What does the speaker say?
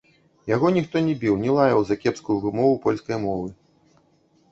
Яго ніхто не біў, не лаяў за кепскую вымову польскай мовы.